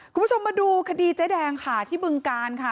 คุณผู้ชมมาดูคดีเจ๊แดงค่ะที่บึงการค่ะ